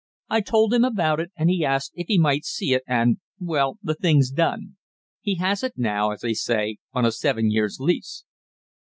I told him about it, and he asked if he might see it, and well, the thing's done; he has it now, as I say, on a seven years' lease."